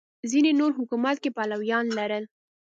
ځینې نور حکومت کې پلویان لرل